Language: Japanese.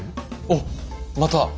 おっまた！